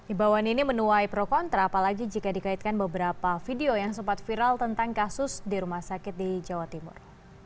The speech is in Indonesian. imbauan ini menuai pro kontra apalagi jika dikaitkan beberapa video yang sempat viral tentang kasus di rumah sakit di jawa timur